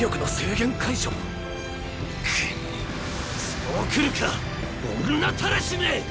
そうくるか女たらしめ！